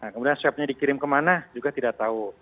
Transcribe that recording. kemudian swabnya dikirim ke mana juga tidak tahu